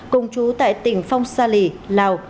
cùng chú tại tỉnh phong sa lì lào